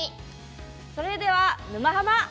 それでは「沼ハマ」。